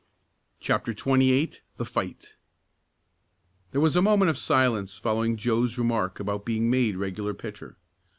CHAPTER XXVIII THE FIGHT There was a moment of silence following Joe's remark about being made regular pitcher.